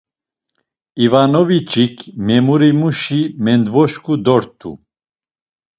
İvanoviç̌ik memurimuşi mendvoşǩu dort̆u.